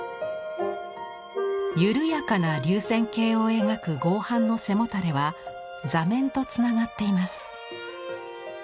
緩やかな流線型を描く合板の背もたれは座面とつながっています。